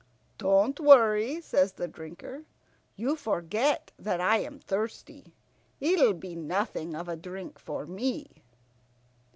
"Don't worry," says the Drinker. "You forget that I am thirsty. It'll be nothing of a drink for me."